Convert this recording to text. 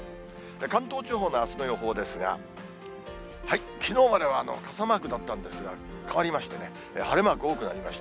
関東地方のあすの予報ですが、きのうまでは傘マークだったんですが、変わりましてね、晴れマーク多くなりました。